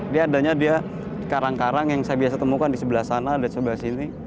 dia adanya dia karang karang yang saya biasa temukan di sebelah sana dan sebelah sini